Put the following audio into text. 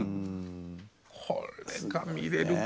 これが見れるか。